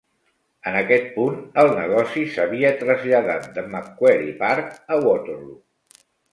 En aquest punt, el negoci s'havia traslladat de Macquarie Park a Waterloo.